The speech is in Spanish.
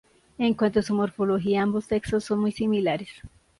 En cuanto a su morfología, ambos sexos son muy similares.